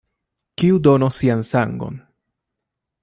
Kiu donos sian sangon?